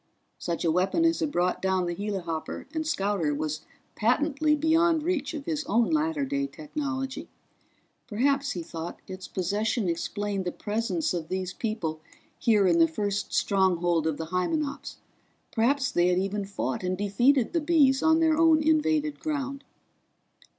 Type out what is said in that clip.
Such a weapon as had brought down the helihopper and scouter was patently beyond reach of his own latter day technology. Perhaps, he thought, its possession explained the presence of these people here in the first stronghold of the Hymenops; perhaps they had even fought and defeated the Bees on their own invaded ground.